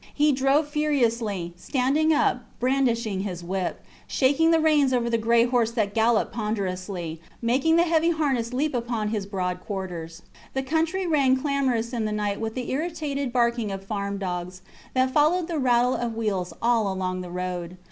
He drove furiously, standing up, brandishing his whip, shaking the reins over the gray horse that galloped ponderously, making the heavy harness leap upon his broad quarters. The country rang clamorous in the night with the irritated barking of farm dogs, that followed the rattle of wheels all along the road.